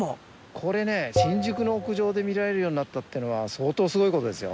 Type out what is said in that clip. これね新宿の屋上で見られるようになったってのは相当すごいことですよ。